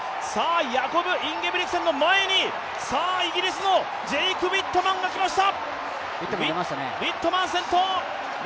ヤコブ・インゲブリクセンの前にイギリスのジェイク・ウィットマンが出ました。